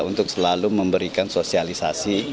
untuk selalu memberikan sosialisasi